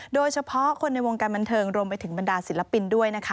โดยเฉพาะคนในวงการบันเทิงรวมไปถึงบรรดาศิลปินด้วยนะคะ